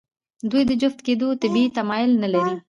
دوی د جفت کېدو طبیعي تمایل نهلري.